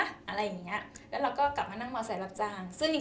ก็มาด้วยและคุยกับผู้หญิง